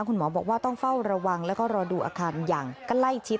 คุณหมอบอกว่าต้องเฝ้าระวังแล้วก็รอดูอาคารอย่างใกล้ชิด